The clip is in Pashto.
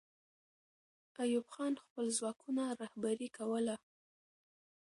ایوب خان خپل ځواکونه رهبري کوله.